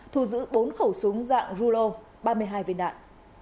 thu giữ bốn khẩu súng dạng rulo ba mươi hai viên đạn